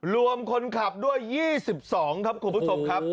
รวมคนขับด้วย๒๒ครับคุณผู้ชมครับ